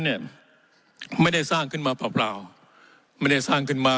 เนี่ยไม่ได้สร้างขึ้นมาเปล่าไม่ได้สร้างขึ้นมา